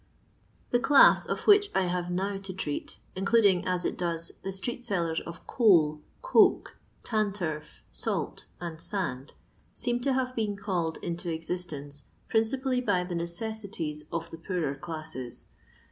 Thi dasa of which I have now to treat, includ ing as it does the street sellers of coal, coke, tan to^ salt, and sand, seem to have been called into existence principally by the necessities of the poorer classes.